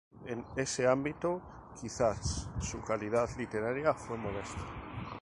En ese ámbito, quizás su calidad literaria fue modesta.